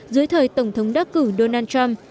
dưới thời tổng thống đắc cử donald trump